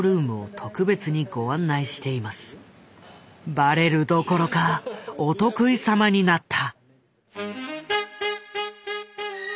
ばれるどころかお得意様になった。